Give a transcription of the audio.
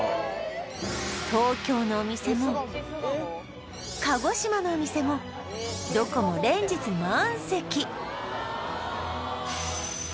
東京のお店も鹿児島のお店もどこもなのか？